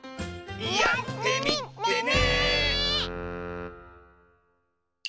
やってみてね！